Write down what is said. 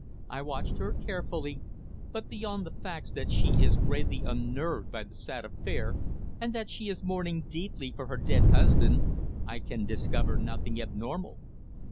"I watched her carefully, but beyond the facts that she is greatly unnerved by the sad affair and that she is mourning deeply for her dead husband, I can discover nothing abnormal."